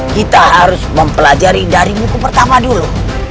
kita harus mempelajari dari buku pertama dulu